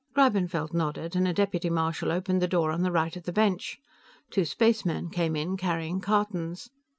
Greibenfeld nodded, and a deputy marshal opened the door on the right of the bench. Two spacemen came in, carrying cartons.